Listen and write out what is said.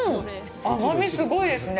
甘み、すごいですね。